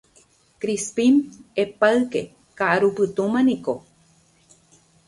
Crispín epáyke ka'arupytũma niko